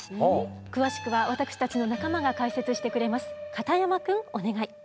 詳しくは私たちの仲間が解説してくれます。